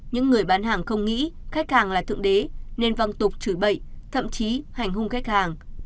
những người bán hàng không nghĩ khách hàng là thượng đế nên văng tục chửi bậy thậm chí hành hung khách hàng